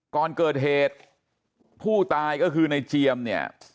ก่อนเกิดเหตุผู้ตายก็คือในเจียมเนี่ย